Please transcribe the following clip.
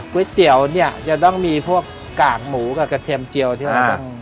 เตี๋ยวเนี่ยจะต้องมีพวกกากหมูกับกระเทียมเจียวที่เราจะ